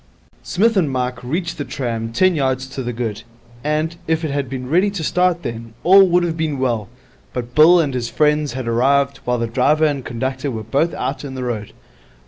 Psmith and Mike reached the tram ten yards to the good; and, if it had been ready to start then, all would have been well. But Bill and his friends had arrived while the driver and conductor were both out in the road.